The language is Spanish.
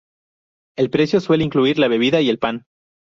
El precio suele incluir la bebida y el pan.